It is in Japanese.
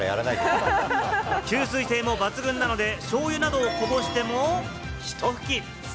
吸水性も抜群なので、しょうゆなどをこぼしてもひと吹き。